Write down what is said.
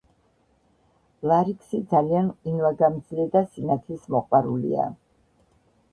ლარიქსი ძალიან ყინვაგამძლე და სინათლის მოყვარულია.